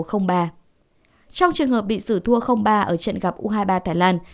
trong trường hợp bị xử thua ba ở trận gặp u hai mươi ba thái lan